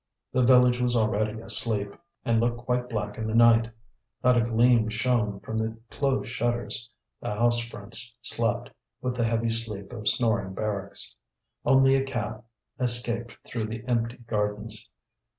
The village was already asleep, and looked quite black in the night. Not a gleam shone from the closed shutters, the house fronts slept, with the heavy sleep of snoring barracks. Only a cat escaped through the empty gardens.